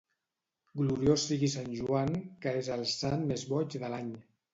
Gloriós sigui sant Joan, que és el sant més boig de l'any.